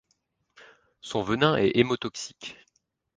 Son venin est hémotoxique.